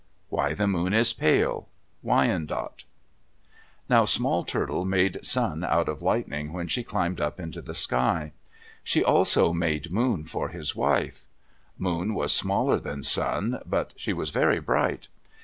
WHY THE MOON IS PALE Wyandot Now Small Turtle made Sun out of lightning when she climbed up into the sky. She also made Moon for his wife. Moon was smaller than Sun, but she was very bright.